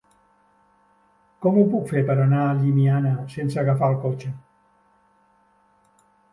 Com ho puc fer per anar a Llimiana sense agafar el cotxe?